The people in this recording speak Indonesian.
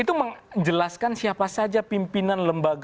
itu menjelaskan siapa saja pimpinan lembaga